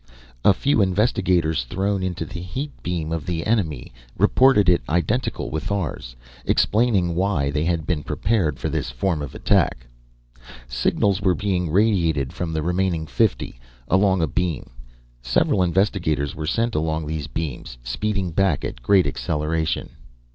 A few investigators thrown into the heat beam of the enemy reported it identical with ours, explaining why they had been prepared for this form of attack. Signals were being radiated from the remaining fifty, along a beam. Several investigators were sent along these beams, speeding back at great acceleration.